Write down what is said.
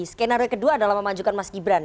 skenario kedua adalah memajukan mas gibran